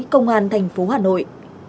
công an thành phố hà nội